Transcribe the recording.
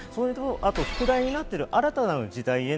あと副題になっている、「新たなる時代へ」